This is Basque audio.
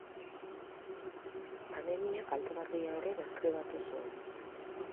Anemia kaltegarria ere deskribatu zuen.